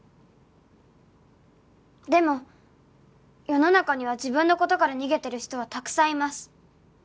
「でも世の中には自分の事から逃げてる人はたくさんいます」